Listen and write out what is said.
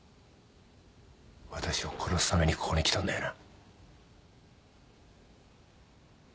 私を殺すためにここに来たんだよな？